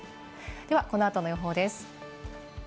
では、この後の予報です。